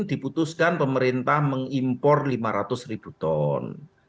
diputuskan pemerintah mengimpor lima ratus ribu ton